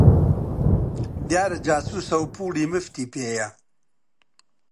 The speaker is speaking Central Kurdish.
دیارە جاسووسە و پووڵی موفتی پێیە!